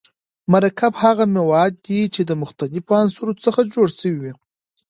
مرکب هغه مواد دي چي د مختليفو عنصرونو څخه جوړ سوی وي.